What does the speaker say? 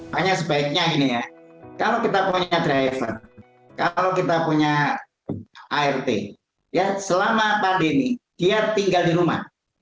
hanya sebaiknya ini ya kalau kita punya driver kalau kita punya art ya selama pandemi dia tinggal di rumah